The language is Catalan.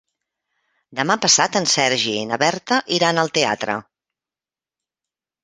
Demà passat en Sergi i na Berta iran al teatre.